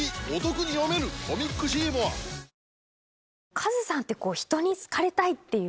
カズさんって。